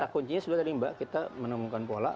kata kuncinya tadi mbak kita menemukan pola